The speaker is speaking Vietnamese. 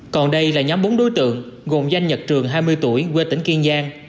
còn đây là nhóm bốn đối tượng gồm danh nhật trường hai mươi tuổi quê tỉnh kiên giang